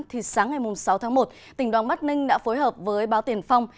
thì sáng ngày sáu tháng một tỉnh đoàn bắc ninh đã phối hợp với báo tiền phong